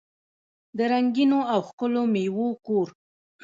د رنګینو او ښکلو میوو کور.